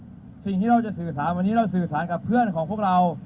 สิ่งที่เราจะสื่อสารวันนี้เราสื่อสารกับเพื่อนของพวกเรา